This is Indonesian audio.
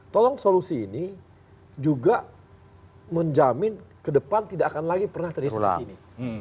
tolong solusi ini juga menjamin ke depan tidak akan lagi pernah terhiasat begini